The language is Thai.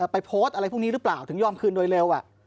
ไปโพสต์อะไรพวกนี้หรือเปล่าถึงยอมคืนโดยเร็ว